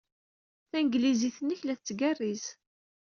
Tanglizit-nnek la tettgerriz.